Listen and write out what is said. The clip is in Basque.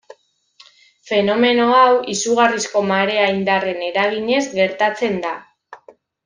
Fenomeno hau izugarrizko marea-indarren eraginez gertatzen da.